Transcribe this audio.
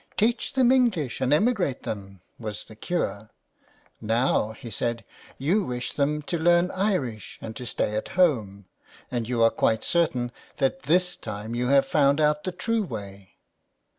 Teach them English and emigrate them was the cure. '' Now," he said, *' you wish them to learn Irish and to stay at home. And you are quite certain that this time you have found out the true way.